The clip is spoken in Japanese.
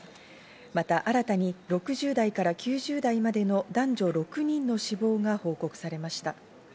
また新たに６０代から９０代までの男女６人の死亡が報告されました。